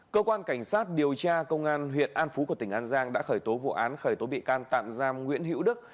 cơ quan cảnh sát điều tra công an huyện an phú của tỉnh an giang đã khởi tố vụ án khởi tố bị can tạm giam nguyễn hữu đức